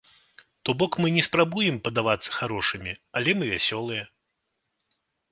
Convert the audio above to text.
То бок мы і не спрабуем падавацца харошымі, але мы вясёлыя.